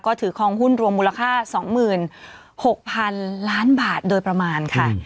ก็ถือคลองหุ้นรวมมูลค่า๒๖๐๐๐ล้านบาทโดยประมาณค่ะ